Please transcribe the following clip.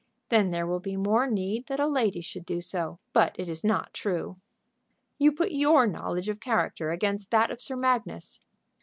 "Then there will be more need that a lady should do so. But it is not true." "You put your knowledge of character against that of Sir Magnus."